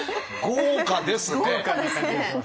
豪華ですね！